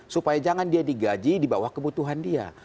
supaya jangan dia digaji di bawah kebutuhan dia